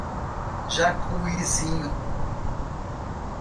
Jacuizinho